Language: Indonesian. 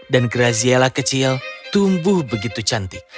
dan graziella kecil tumbuh begitu cantik